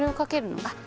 ・あっ